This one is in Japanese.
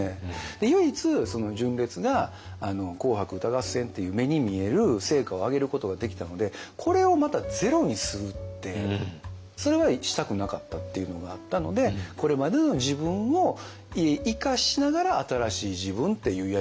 で唯一純烈が「紅白歌合戦」っていう目に見える成果を上げることができたのでこれをまたゼロにするってそれはしたくなかったっていうのがあったのでこれまでの自分を生かしながら新しい自分っていうやり方にしたいなって思ったんですよね。